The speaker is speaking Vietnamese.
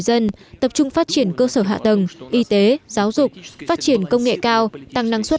dân tập trung phát triển cơ sở hạ tầng y tế giáo dục phát triển công nghệ cao tăng năng suất